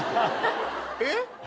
えっ？